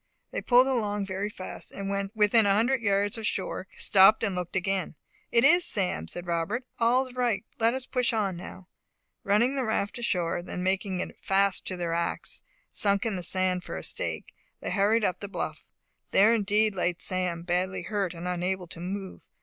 They pulled along very fast, and when within a hundred yards of shore stopped and looked again. "It is Sam," said Robert. "All's right! Let us push on now!" Running the raft ashore, and making it fast to their ax, sunk in the sand for a stake, they hurried up the bluff. There indeed lay Sam, badly hurt and unable to move.